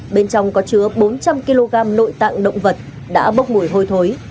bên trong có chứa bốn trăm linh kg nội tạng động vật đã bốc mùi hôi thối